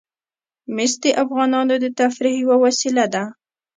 مس د افغانانو د تفریح یوه وسیله ده.